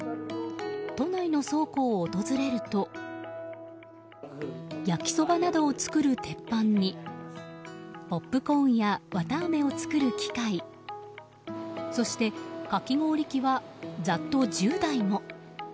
都内の倉庫を訪れると焼きそばなどを作る鉄板にポップコーンやわたあめを作る機械そして、かき氷器はざっと１０台も。